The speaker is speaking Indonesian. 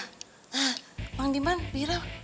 hah bang diman bira